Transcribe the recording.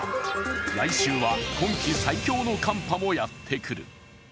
来週は今季最強の寒波もやってくる。